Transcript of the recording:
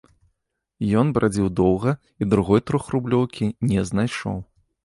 Ён брадзіў доўга і другой трохрублёўкі не знайшоў.